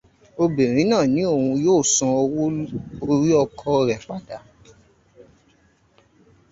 Obìnrin náà ní òun yóò san owó orí ọkọ rẹ̀ padà.